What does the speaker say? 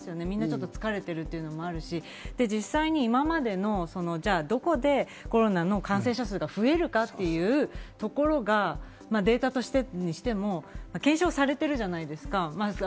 みんな、ちょっと疲れてるというのもあるし、実際に今までどこでコロナの感染者数が増えるかっていうところがデータとして検証されているじゃないですか。